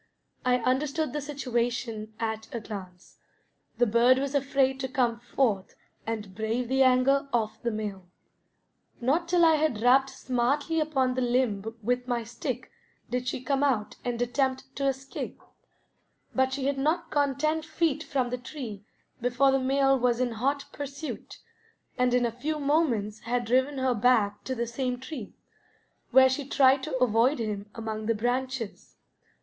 I understood the situation at a glance; the bird was afraid to come forth and brave the anger of the male. Not till I had rapped smartly upon the limb with my stick did she come out and attempt to escape; but she had not gone ten feet from the tree before the male was in hot pursuit, and in a few moments had driven her back to the same tree, where she tried to avoid him among the branches.